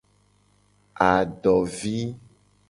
Adovi.